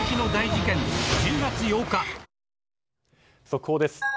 速報です。